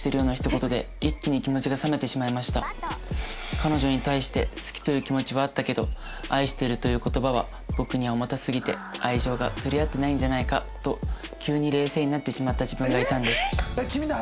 彼女に対して好きという気持ちはあったけど「愛している」という言葉は僕には重たすぎて愛情が釣り合ってないんじゃないかと急に冷静になってしまった自分がいたんです。